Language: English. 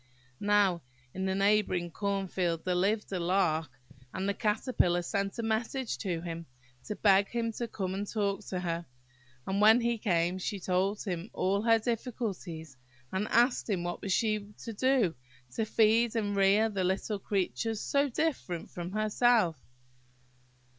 Now, in the neighbouring corn field there lived a Lark, and the Caterpillar sent a message to him, to beg him to come and talk to her; and when he came she told him all her difficulties, and asked him what she was to do, to feed and rear the little creatures so different from herself.